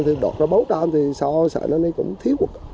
thì đột ra bốn trăm linh thì sao sợi năm nay cũng thiếu quốc